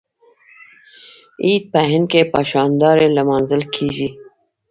عید په هند کې په شاندارۍ لمانځل کیږي.